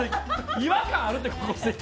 違和感あるって、この席。